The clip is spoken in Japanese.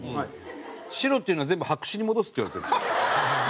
白っていうのは全部白紙に戻すっていわれてるんです。